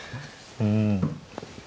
うん。